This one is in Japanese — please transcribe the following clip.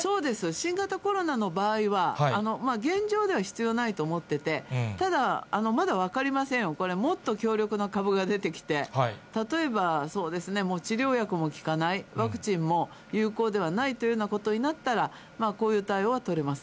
新型コロナの場合は現状では必要ないと思ってて、ただ、まだ分かりませんよ、これ、もっと強力な株が出てきて、例えば、そうですね、治療薬も効かない、ワクチンも有効ではないというようなことになったら、こういう対応は取れます。